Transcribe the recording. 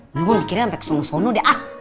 ya gue mikirin sampe kesono sono deh ah